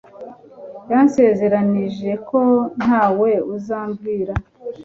Yansezeranije ko ntawe azabwira